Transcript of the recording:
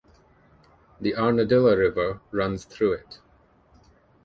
The Arandilla River runs through it.